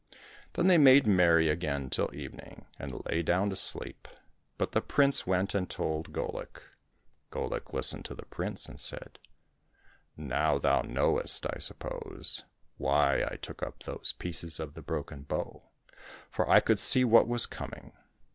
Then they made merry again till evening and lay down to sleep, but the prince went and told Golik. Golik listened to the prince, and said, " Now thou knowest, I suppose, why I took up those pieces of the broken bow, for I could see what was coming.